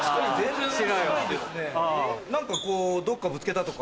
何かどっかぶつけたとか？